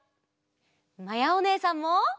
まやおねえさんも！